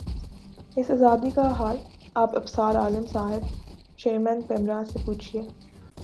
اس آزادی کا حال آپ ابصار عالم صاحب چیئرمین پیمرا سے پوچھیے